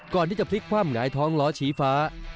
ก่อนที่จะพลิกคว่ามหงายท้องล้อชีฟ้า